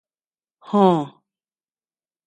Joo.